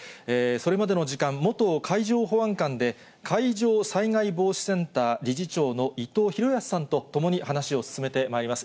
それまでの時間、元海上保安監で、海上災害防止センター理事長の伊藤裕康さんと共に話しを進めてまいります。